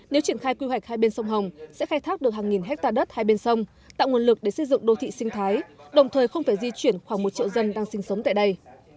nếu triển khai quy hoạch hai bên sông hồng sẽ khai thác được hàng nghìn hectare đất hai bên sông tạo nguồn lực để xây dựng đô thị sinh thái đồng thời không phải di chuyển khoảng một triệu dân đang sinh sống tại đây